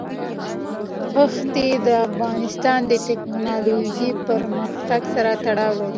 ښتې د افغانستان د تکنالوژۍ پرمختګ سره تړاو لري.